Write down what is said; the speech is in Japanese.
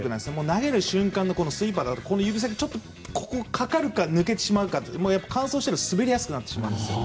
投げる瞬間のスイーパーは指先がかかるか抜けてしまうかで乾燥していると滑りやすくなってしまうんです。